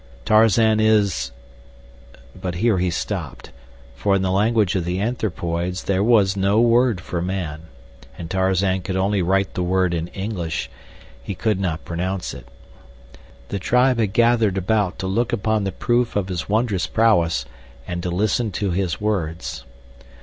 Tarzan is—" But here he stopped, for in the language of the anthropoids there was no word for man, and Tarzan could only write the word in English; he could not pronounce it. The tribe had gathered about to look upon the proof of his wondrous prowess, and to listen to his words.